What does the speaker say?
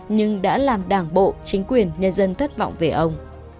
nhưng đã làm đảng bộ chính quyền nhân dân thất vọng về ông